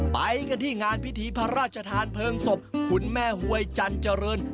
ไปกันที่งานพิธีพระราชทานเพลิงศพคุณแม่หวยจันเจริญ